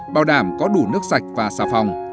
bao đảm có đủ nước sạch và xà phòng